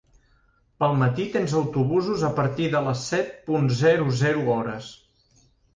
Pel matí tens autobusos a partir de les set punt zero zero hores.